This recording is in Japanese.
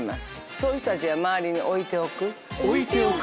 そういう人たちを置いておく。